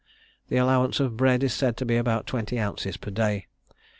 The allowance of bread is said to be about twenty ounces per day.